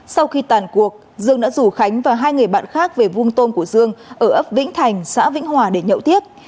sau khi tàn cuộc dương đã rủ khánh và hai người bạn khác về vuông tôm của dương ở ấp vĩnh thành xã vĩnh hòa để nhậu tiếp